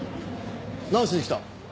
何しに来た？